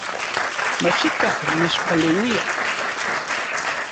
Machikaj nechpaleuia